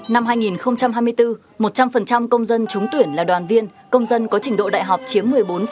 năm hai nghìn hai mươi bốn một trăm linh công dân trúng tuyển là đoàn viên công dân có trình độ đại học chiếm một mươi bốn